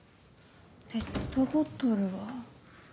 ペットボトルは。